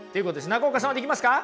中岡さんはできますか？